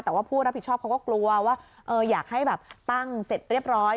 แต่ว่าผู้รับผิดชอบเขาก็กลัวว่าอยากให้แบบตั้งเสร็จเรียบร้อย